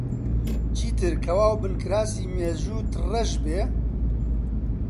چیتر کەوا و بنکراسی مێژووت ڕەش بێ؟